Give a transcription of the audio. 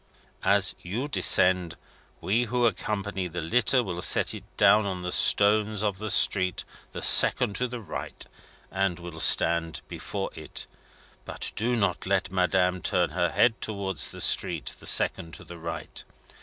As you descend, we who accompany the litter will set it down on the stones of the street the second to the right, and will stand before it. But do not let Madame turn her head towards the street the second to the right.